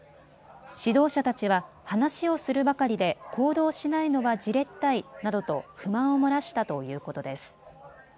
指導者たちは話をするばかりで、行動しないのはじれったいなどと不満を漏らしたということです。